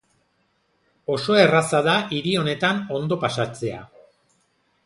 Oso erraza da hiri honetan ondo pasatzea.